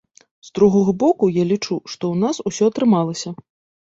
З другога боку, я лічу, што ў нас усё атрымалася.